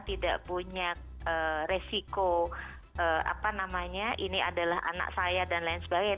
tidak punya resiko apa namanya ini adalah anak saya dan lain sebagainya